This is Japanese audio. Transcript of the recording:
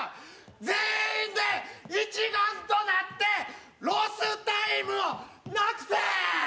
全員で一丸となってロスタイムをなくせ！